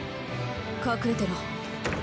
隠れてろ。